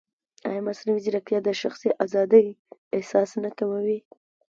ایا مصنوعي ځیرکتیا د شخصي ازادۍ احساس نه کموي؟